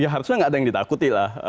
ya harusnya nggak ada yang ditakuti lah